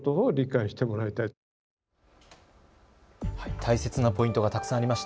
大切なポイントがたくさんありました。